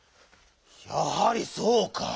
やはりそうか！